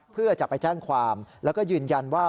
เพื่อจะไปแจ้งความแล้วก็ยืนยันว่า